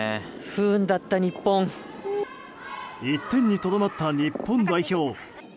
１点にとどまった日本代表。